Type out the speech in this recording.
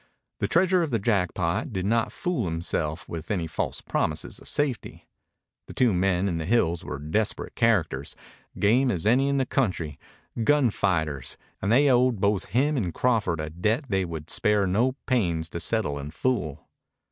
The treasurer of the Jackpot did not fool himself with any false promises of safety. The two men in the hills were desperate characters, game as any in the country, gun fighters, and they owed both him and Crawford a debt they would spare no pains to settle in full.